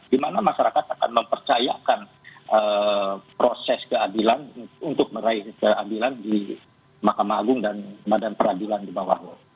dimana masyarakat akan mempercayakan proses keadilan untuk meraih keadilan di makam agung dan madan peradilan di bawah